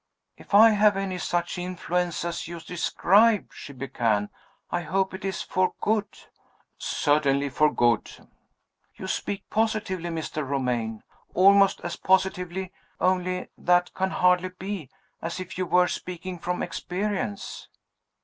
"If I have any such influence as you describe," she began, "I hope it is for good?" "Certainly for good." "You speak positively, Mr. Romayne. Almost as positively only that can hardly be as if you were speaking from experience."